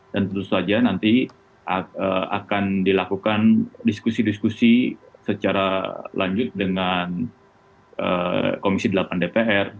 dan tentu saja nanti akan dilakukan diskusi diskusi secara lanjut dengan komisi delapan dpr